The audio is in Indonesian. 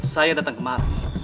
saya datang kemari